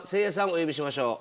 お呼びしましょう。